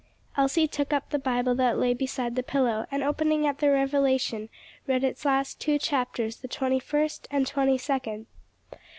Elsie took up the Bible that lay beside the pillow, and opening at the Revelation, read its last two chapters the twenty first and twenty second.